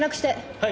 ・はい！